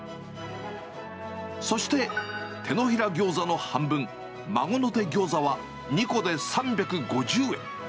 そして、てのひらギョーザの半分、まごのてギョーザは２個で３５０円。